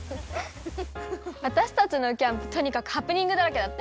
わたしたちのキャンプとにかくハプニングだらけだったよね。